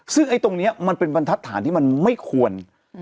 ซึ่งไอ้ตรงนี้มันเป็นบรรทัศน์ที่มันไม่ควร